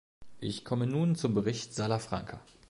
Ich komme nun zum Bericht Salafranca.